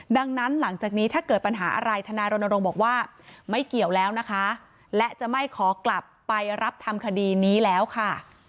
ดังนั้นหลังจากนี้ถ้าเกิดปัญหาอะไรทนายรณรงค์บอกว่าไม่เกี่ยวแล้วนะคะและจะไม่ขอกลับไปรับทำคดีนี้แล้วค่ะ